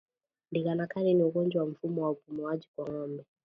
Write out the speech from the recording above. Ndigana kali ni ugonjwa wa mfumo wa upumuaji kwa ngombe